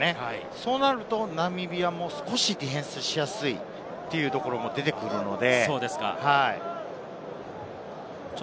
そうなるとナミビアも少しディフェンスしやすいというところが出てくるので。